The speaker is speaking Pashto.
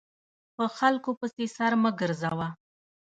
په خلکو پسې سر مه ګرځوه !